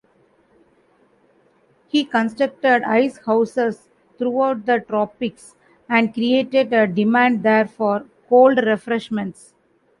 He constructed icehouses throughout the tropics and created a demand there for cold refreshments.